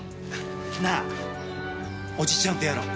なあおじちゃんとやろう。